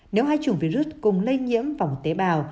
nếu hai chủng virus cùng lây nhiễm vào một tế bào